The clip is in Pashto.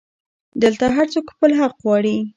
دلته هرڅوک خپل حق غواړي